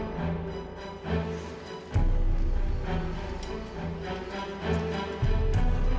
tidak tadi sebenarnya aku ingin menolong siapa tadi giotto